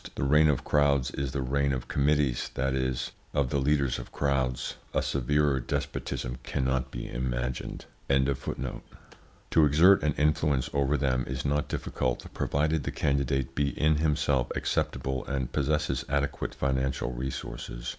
The reign of crowds is the reign of committees, that is, of the leaders of crowds. A severer despotism cannot be imagined. To exert an influence over them is not difficult, provided the candidate be in himself acceptable and possess adequate financial resources.